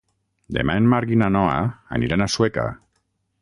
Demà en Marc i na Noa aniran a Sueca.